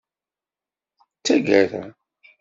D taggara.